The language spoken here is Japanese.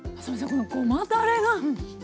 このごまだれが絶妙！